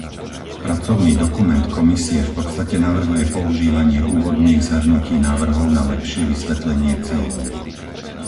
Pracovný dokument Komisie v podstate navrhuje používanie úvodných zhrnutí návrhov na lepšie vysvetlenie cieľov.